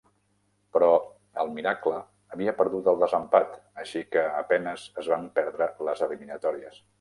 Però, el Miracle havia perdut el desempat, així que a penes es van perdre les eliminatòries.